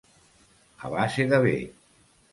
A base de bé.